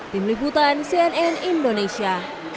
tim liputan cnn indonesia